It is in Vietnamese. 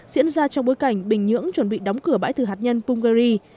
diễn ra trong bối cảnh bình nhưỡng chuẩn bị đóng cửa bãi thử hạt nhân punger